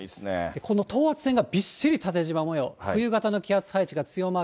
この等圧線がびっしり縦じま模様、冬型の気圧配置が強まる。